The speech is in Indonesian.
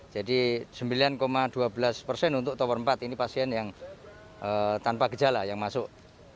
jadi sembilan dua belas persen untuk tower empat ini pasien yang tanpa gejala yang masuk